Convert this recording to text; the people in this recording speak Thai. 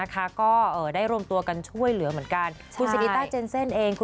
ก็ได้รวมตัวกันช่วยเหลือเหมือนกัน